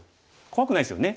怖くないですよね。